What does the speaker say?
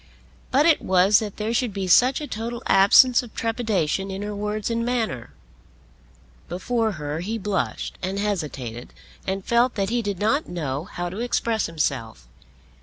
But it was that there should be such a total absence of trepidation in her words and manner. Before her he blushed and hesitated and felt that he did not know how to express himself.